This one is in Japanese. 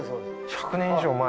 １００年以上前？